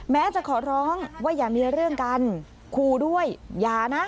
แม้จะขอร้องว่าอย่ามีเรื่องกันครูด้วยอย่านะ